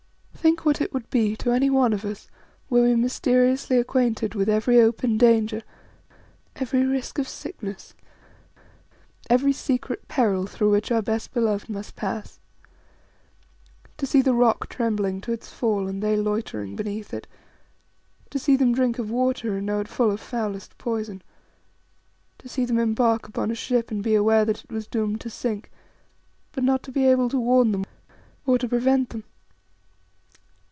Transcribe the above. Think what it would be to any one of us were we mysteriously acquainted with every open danger, every risk of sickness, every secret peril through which our best beloved must pass. To see the rock trembling to its fall and they loitering beneath it; to see them drink of water and know it full of foulest poison; to see them embark upon a ship and be aware that it was doomed to sink, but not to be able to warn them or to prevent them.